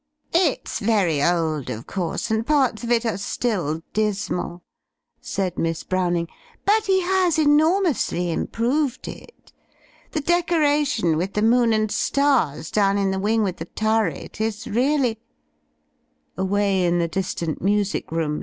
"It's very old, of course, and parts of it are still dismal," said Miss Browning, "but he has enormously improved it. The decoration, with the moc«ti and stars, down in the wing with the turret is really —^" Away in the distant music room.